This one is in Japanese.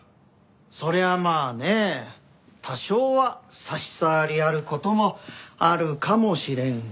そりゃまあね多少は差し障りある事もあるかもしれんがねえ。